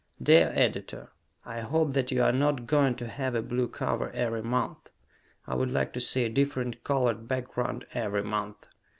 _ Dear Editor: I hope that you are not going to have a blue cover every month. I would like to see a different colored background every month.